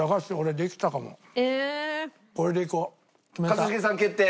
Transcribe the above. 一茂さん決定！